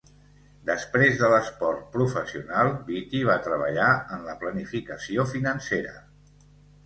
Després de l'esport professional, Beaty va treballar en la planificació financera.